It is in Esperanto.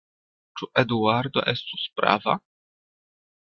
Ĉu Eduardo estus prava?